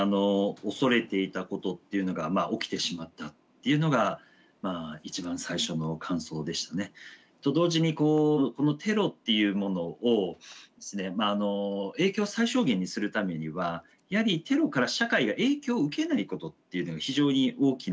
恐れていたことっていうのがまあ起きてしまったっていうのが一番最初の感想でしたね。と同時にこうこのテロっていうものを影響を最小限にするためにはやはりテロから社会が影響を受けないことっていうのが非常に大きなですね